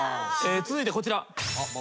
続いてこちら。